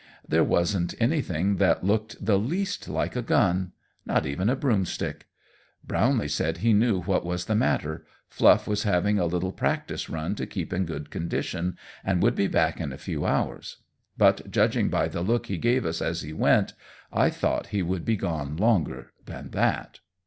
There wasn't anything that looked the least like a gun. Not even a broomstick. Brownlee said he knew what was the matter Fluff was having a little practice run to keep in good condition, and would be back in a few hours; but, judging by the look he gave us as he went, I thought he would be gone longer than that.